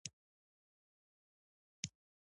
یوډین ته هم ور نږدې کېدو، په لاره کې روان و.